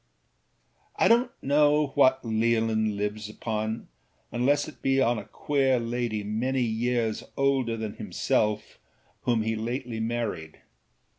I donât know what Leolin lives upon, unless it be on a queer lady many years older than himself, whom he lately married.